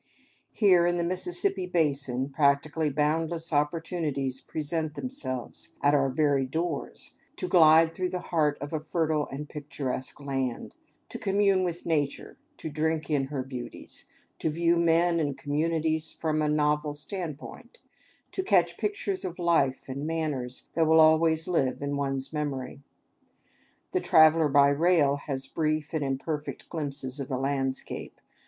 Here, in the Mississippi basin, practically boundless opportunities present themselves, at our very doors, to glide through the heart of a fertile and picturesque land, to commune with Nature, to drink in her beauties, to view men and communities from a novel standpoint, to catch pictures of life and manners that will always live in one's memory. The traveler by rail has brief and imperfect glimpses of the landscape.